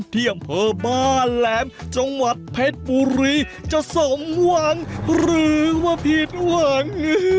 ที่อำเภอบ้านแหลมจังหวัดเพชรบุรีจะสมหวังหรือว่าผิดหวัง